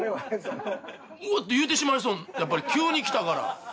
「おお」って言うてしまいそうやっぱり急にきたから。